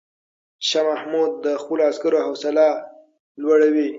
شاه محمود د خپلو عسکرو حوصله لوړوي.